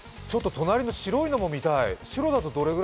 隣の白いのも見たい。